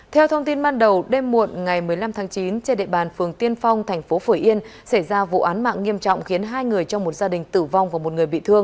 theo thông tin ban đầu đêm muộn ngày một mươi năm tháng chín trên địa bàn phường tiên phong thành phố phủ yên xảy ra vụ án mạng nghiêm trọng khiến hai người trong một gia đình tử vong và một người bị thương